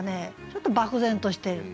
ちょっと漠然としている。